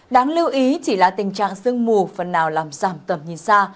đáng lưu ý chỉ là tình trạng sương mù phần nào làm giảm tầm nhìn xa